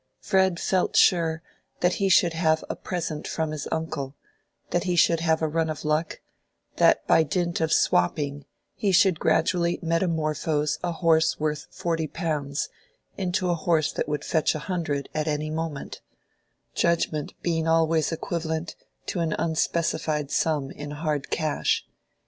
Fred felt sure that he should have a present from his uncle, that he should have a run of luck, that by dint of "swapping" he should gradually metamorphose a horse worth forty pounds into a horse that would fetch a hundred at any moment—"judgment" being always equivalent to an unspecified sum in hard cash.